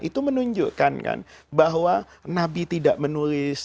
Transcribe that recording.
itu menunjukkan kan bahwa nabi tidak menulis